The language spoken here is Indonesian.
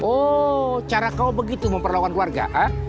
oh cara kau begitu memperlakukan keluarga